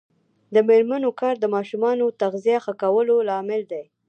د میرمنو کار د ماشومانو تغذیه ښه کولو لامل دی.